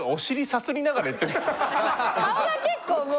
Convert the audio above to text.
顔が結構もう。